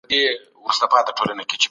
اسناد باید په پوره روڼتیا سره وښودل سی.